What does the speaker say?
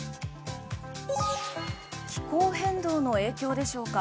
気候変動の影響でしょうか。